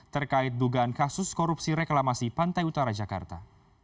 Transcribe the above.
terkait dugaan kasus korupsi reklamasi pantai utara jakarta